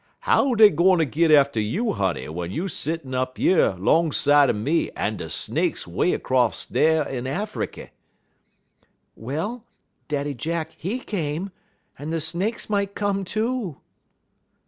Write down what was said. "How dey gwine git atter you, honey, w'en you settin' up yer 'long side er me en de snakes 'way 'cross dar in Affiky?" "Well, Daddy Jack, he came, and the snakes might come too."